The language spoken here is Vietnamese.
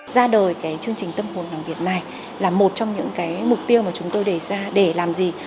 ra đời chương trình tâm hồn làng việt này là một trong những mục tiêu mà chúng tôi để làm gì